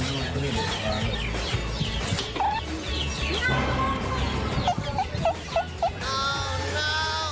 โอ้น้ำ